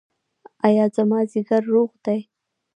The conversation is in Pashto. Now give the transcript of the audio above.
ایا زما ځیګر روغ دی؟